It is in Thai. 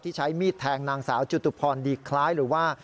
ใช้มีดแทงนางสาวจุติพรดีคล้ายหรือว่า